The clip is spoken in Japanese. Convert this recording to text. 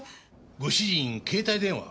ご主人携帯電話は？